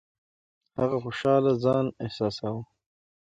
هغه خوشاله ځان احساساوه.